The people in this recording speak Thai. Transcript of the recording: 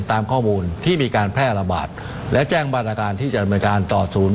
ตามข้อมูลที่มีการแพร่ระบาดและแจ้งมาตรการที่จะดำเนินการต่อศูนย์